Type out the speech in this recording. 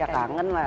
ya kangen lah